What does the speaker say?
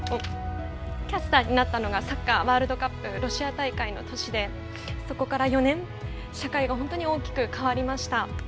キャスターになったのがサッカー・ワールドカップロシア大会の年でそこから４年、社会が大きく変わりました。